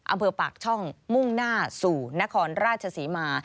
อำเภอปากช่องมุ่งหน้าสู่นครราชศรีมา